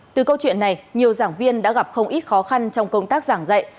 từ câu chuyện này nhiều giảng viên đã gặp không ít khó khăn trong công tác giảng dạy